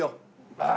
ああ。